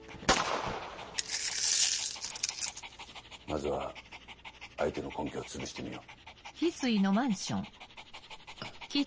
まずは相手の根拠をつぶしてみよう。